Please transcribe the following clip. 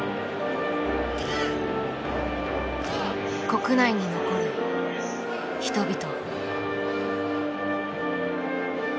国内に残る人々。